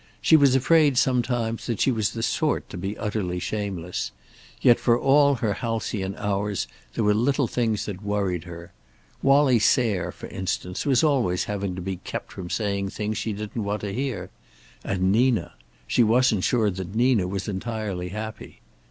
She was afraid sometimes that she was the sort to be utterly shameless. Yet, for all her halcyon hours, there were little things that worried her. Wallie Sayre, for instance, always having to be kept from saying things she didn't want to hear. And Nina. She wasn't sure that Nina was entirely happy.